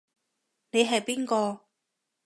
你係邊個？